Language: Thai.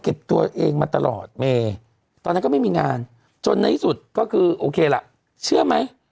ตัวเองมาตลอดเมย์ตอนนั้นก็ไม่มีงานจนในที่สุดก็คือโอเคล่ะเชื่อไหม